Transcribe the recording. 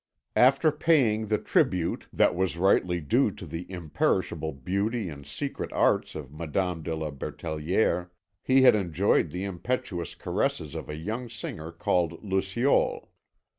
After paying the tribute that was rightly due to the imperishable beauty and secret arts of Madame de la Berthelière, he had enjoyed the impetuous caresses of a young singer called Luciole.